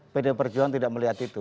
pdi perjuangan tidak melihat itu